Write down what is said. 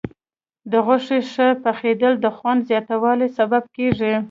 د غوښې ښه پخېدل د خوند زیاتوالي سبب کېږي.